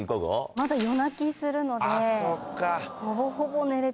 まだ夜泣きするのでほぼほぼ。